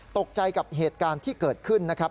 ตกใจกับเหตุการณ์ที่เกิดขึ้นนะครับ